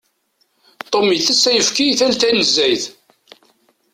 Tom itess ayefki tal tanezzayt.